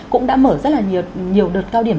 cũng đã mở rất là nhiều đợt cao điểm